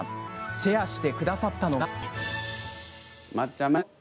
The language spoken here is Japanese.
シェアしてくださったのが。